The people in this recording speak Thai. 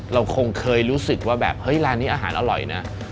เราคงเคยรู้สึกว่าแบบเฮ้ยร้านนี้อาหารอร่อยนะ